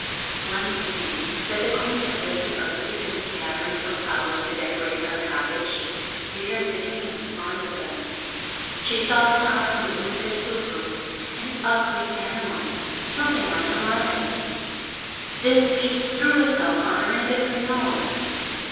One morning that the Queen had risen early, and was gathering some flowers to decorate our cottage, because the King was fond of them, she saw come out from beneath a tube rose an ugly animal, something like a marmot. This beast threw itself on her, and bit her nose.